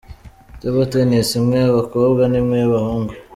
Table tennis : imwe y’abakobwa n’imwe y’abahungu,.